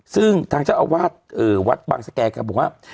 ซึ่งทางเจ้าอาวาสเอ่อวัดบังสแกก็บอกว่า